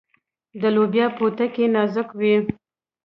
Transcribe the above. د لوبیا پوټکی نازک وي.